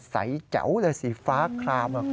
ใสเก๋าและสีฟ้าคลามคลุม